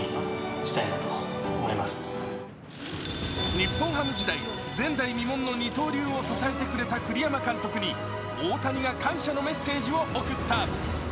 日本ハム時代、前代未聞の二刀流を支えてくれた栗山監督に大谷が感謝のメッセージを贈った。